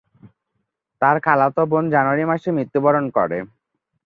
তার খালাতো বোন জানুয়ারি মাসে মৃত্যুবরণ করে।